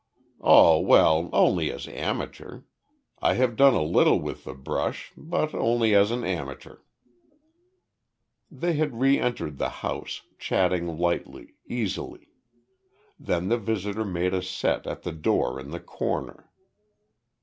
"Oh well, only as amateur. I have done a little with the brush but, only as an amateur." They had re entered the house, chatting lightly, easily. Then the visitor made a set at the door in the corner.